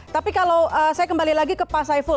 tapi kalau saya kembali lagi ke pak saiful